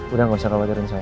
udah gak usah khawatirin saya